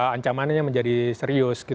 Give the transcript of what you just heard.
ancamannya menjadi serius